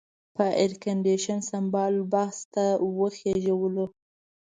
په ایرکنډېشن سمبال بس ته وخېژولو.